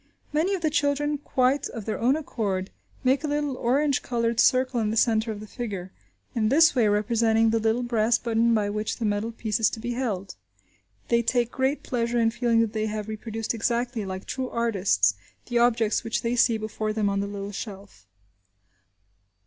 Many of the children, quite of their own accord, make a little orange coloured circle in the centre of the figure, in this way representing the little brass button by which the metal piece is to be held. They take great pleasure in feeling that they have reproduced exactly, like true artists, the objects which they see before them on the little shelf.